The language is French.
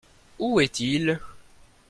Où est-il ?